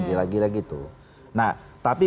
kira kira gitu nah tapi